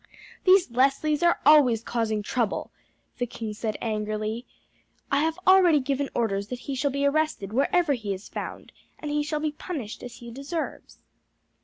"These Leslies are always causing trouble," the king said angrily. "I have already given orders that he shall be arrested wherever he is found, and he shall be punished as he deserves."